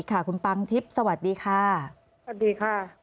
มันเป็นแบบที่สุดท้าย